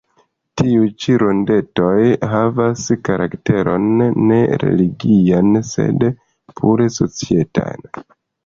Tiuj ĉi rondetoj havas karakteron ne religian, sed pure societan.